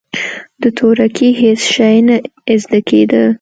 د تورکي هېڅ شى نه زده کېده.